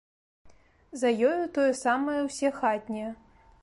За ёю тое самае ўсе хатнія.